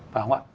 phải không ạ